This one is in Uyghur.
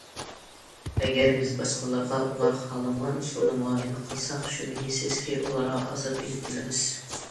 ئەگەر بىز باشقىلارغا ئۇلار خالىمىغان ئۇسۇلدا مۇئامىلە قىلساق، شۈبھىسىزكى ئۇلارغا ئازاب ئېلىپ كېلىمىز.